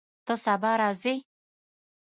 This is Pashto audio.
ته سبا راځې؟